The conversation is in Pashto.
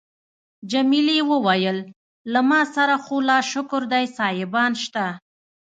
جميلې وويل: له ما سره خو لا شکر دی سایبان شته.